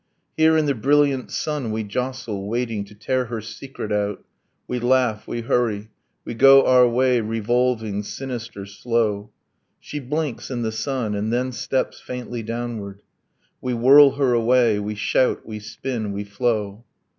Here in the brilliant sun we jostle, waiting To tear her secret out ... We laugh, we hurry, We go our way, revolving, sinister, slow. She blinks in the sun, and then steps faintly downward. We whirl her away, we shout, we spin, we flow.